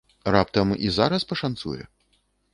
Раптам і зараз пашанцуе?